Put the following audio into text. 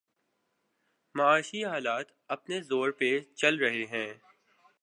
معاشی حالات اپنے زور پہ چل رہے ہیں۔